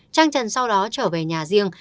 trang trần sau đó trở về nhà riêng